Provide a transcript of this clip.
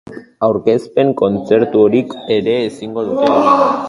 Aurkezpen kontzerturik ere ezingo dute egin.